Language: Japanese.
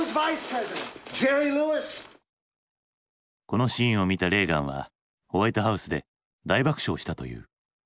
このシーンを見たレーガンはホワイトハウスで大爆笑したという。